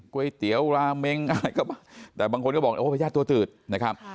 ก๋วยเตี๋ยวราเมงอะไรก็แต่บางคนก็บอกโอ้พญาติตัวตืดนะครับ